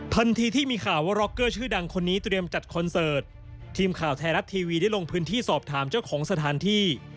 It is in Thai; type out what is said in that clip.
ทันทีที่มีข่าวว่าร็อกเกอร์ชื่อดังคนนี้เตรียมจัดคอนเสิร์ตทีมข่าวไทยรัฐทีวีได้ลงพื้นที่สอบถามเจ้าของสถานที่